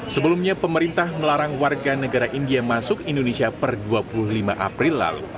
sebelumnya pemerintah melarang warga negara india masuk indonesia per dua puluh lima april lalu